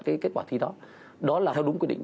cái kết quả thi đó đó là theo đúng quy định